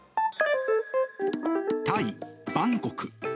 タイ・バンコク。